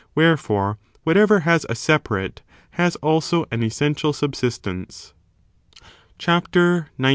Wherefore, whatever has a separate has also an essential subsistence. CHAPTER XIX.